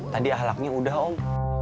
tadi ahlaknya udah om